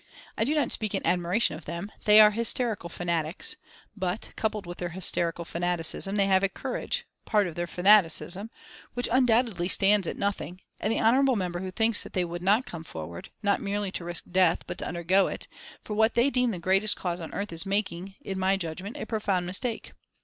I do not speak in admiration of them. They are hysterical fanatics, but, coupled with their hysterical fanaticism, they have a courage, part of their fanaticism, which undoubtedly stands at nothing, and the honourable member who thinks that they would not come forward, not merely to risk death, but to undergo it, for what they deem the greatest cause on earth is making, in my judgment, a profound mistake....